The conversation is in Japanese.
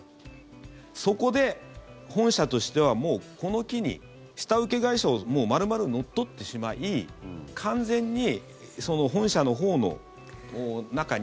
そこで、本社としてはもうこの機に下請け会社を丸々乗っ取ってしまい完全に本社のほうの中に。